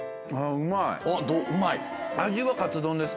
うまい？